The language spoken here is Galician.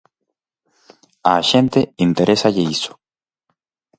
Á xente interésalle iso.